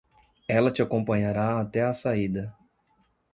Ela te acompanhará até a saída